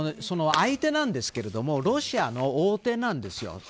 相手なんですけどロシアの大手なんですよ。